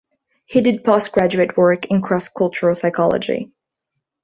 He did post-graduate work in cross-cultural psychology.